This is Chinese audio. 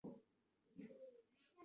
访问者总数难以计算。